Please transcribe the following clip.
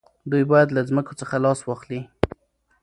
دوی باید له ځمکو څخه لاس واخلي.